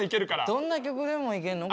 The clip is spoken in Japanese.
どんな曲でもいけんの？